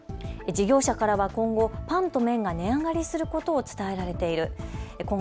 事業者からは今後、パンと麺が値上がりすることを伝えられている。